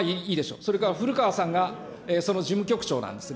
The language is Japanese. それからふるかわさんが、その事務局長なんですね。